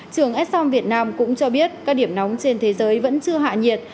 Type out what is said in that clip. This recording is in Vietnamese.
trường s song việt nam cũng cho biết các điểm nóng trên thế giới vẫn chưa hạ nhiệt